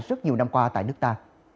rất nhiều năm qua tại nước ta